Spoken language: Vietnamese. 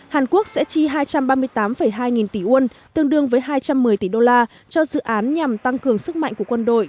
hàn quốc sẽ chi hai trăm ba mươi tám hai nghìn tỷ won tương đương với hai trăm một mươi tỷ đô la cho dự án nhằm tăng cường sức mạnh của quân đội